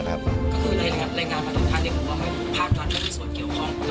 อธิบาดนี้ด้วย